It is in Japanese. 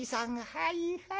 はいはい。